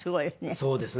そうですね。